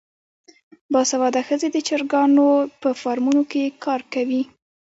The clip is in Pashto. باسواده ښځې د چرګانو په فارمونو کې کار کوي.